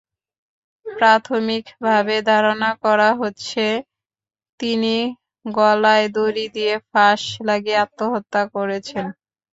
প্রাথমিকভাবে ধারণা করা হচ্ছে, তিনি গলায় দড়ি দিয়ে ফাঁস লাগিয়ে আত্মহত্যা করেছেন।